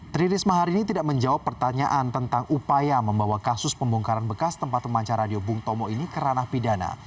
tri risma hari ini tidak menjawab pertanyaan tentang upaya membawa kasus pembongkaran bekas tempat pemancar radio bung tomo ini ke ranah pidana